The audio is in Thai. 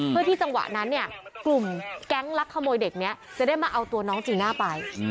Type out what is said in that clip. เพื่อที่จังหวะนั้นเนี่ยกลุ่มแก๊งลักขโมยเด็กนี้จะได้มาเอาตัวน้องจีน่าไป